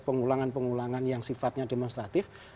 pengulangan pengulangan yang sifatnya demonstratif